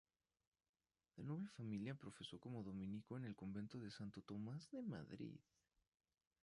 De noble familia, profesó como dominico en el Convento de Santo Tomás de Madrid.